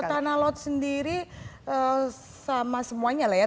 iya kalau tanah laut sendiri sama semuanya lah ya